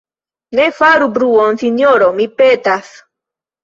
Ne faru bruon, sinjoro, mi petas.